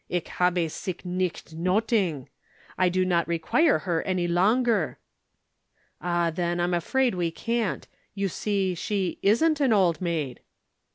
Ich habe sic nicht nöthig. I do not require her any longer." "Ah, then, I am afraid we can't. You see she isn't an old maid!"